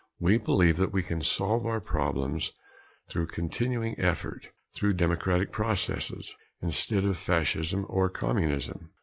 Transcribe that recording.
We believe that we can solve our problems through continuing effort, through democratic processes instead of Fascism or Communism.